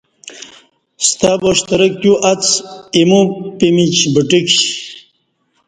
ستہ با شترک تیواڅ ایمو پمیچ بٹہ کشی